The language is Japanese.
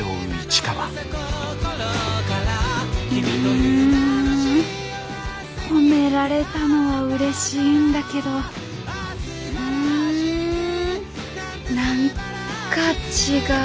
ん褒められたのはうれしいんだけどん何か違う。